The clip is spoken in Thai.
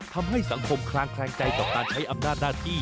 ทำให้สังคมคลางแคลงใจต่อการใช้อำนาจหน้าที่